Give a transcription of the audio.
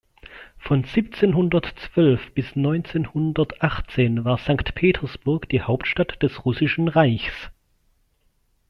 Von siebzehnhundertzwölf bis neunzehnhundertachtzehn war Sankt Petersburg die Hauptstadt des Russischen Reichs.